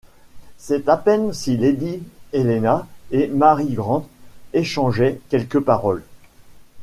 C’est à peine si lady Helena et Mary Grant échangeaient quelques paroles.